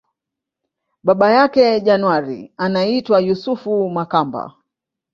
Baba yake January anaitwa Yusufu Makamba